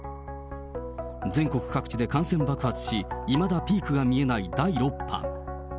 全国各地で感染爆発し、いまだピークが見えない第６波。